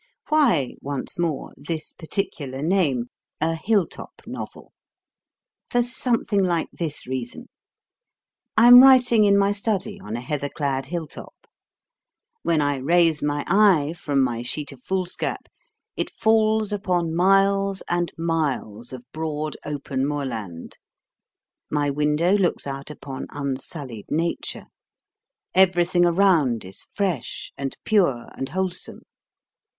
Why, once more, this particular name, "A Hill top Novel"? For something like this reason. I am writing in my study on a heather clad hill top. When I raise my eye from my sheet of foolscap, it falls upon miles and miles of broad open moorland. My window looks out upon unsullied nature. Everything around is fresh and pure and wholesome.